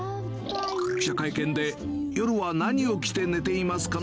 記者会見で、夜は何を着て寝ていますか？